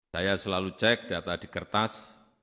saya selalu cek data di kertas